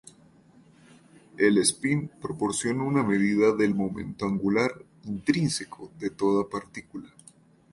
El espín proporciona una medida del momento angular intrínseco de toda partícula.